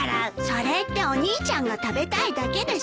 それってお兄ちゃんが食べたいだけでしょ。